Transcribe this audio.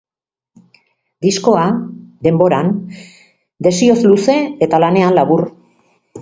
Diskoa, denboran, desioz luze eta lanean labur.